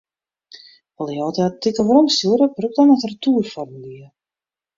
Wolle jo it artikel weromstjoere, brûk dan it retoerformulier.